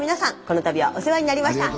この度はお世話になりました。